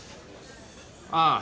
ああ。